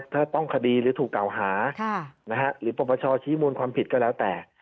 ถ้าต้องคดีหรือถูกกล่าวหาหรือปรปชชี้มูลความผิดก็แล้วแต่